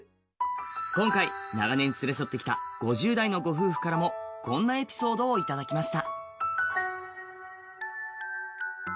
今回、長年連れ添ってきた５０代の夫婦からもこんなエピソードをいただきました。